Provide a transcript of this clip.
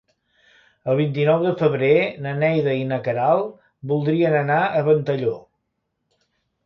El vint-i-nou de febrer na Neida i na Queralt voldrien anar a Ventalló.